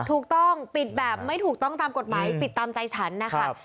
ถูกต้องปิดแบบไม่ถูกต้องตามกฎหมายปิดตามใจฉันนะคะ